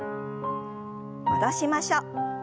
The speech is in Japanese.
戻しましょう。